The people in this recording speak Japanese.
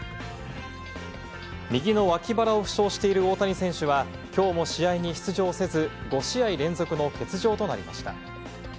右の脇腹を負傷している大谷選手は、きょうも試合に出場せず、５試合連続の欠場となりました。